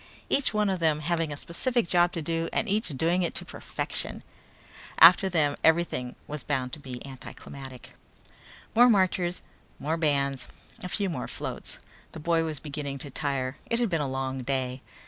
Each one of them having a specific job to do and each doing it to perfection. After them everything was bound to be anticlimactic. More marchers, more bands, a few more floats. The boy was beginning to tire. It had been a long day.